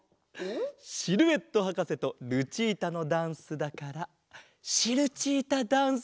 シルエットはかせとルチータのダンスだからシルチータダンスだ！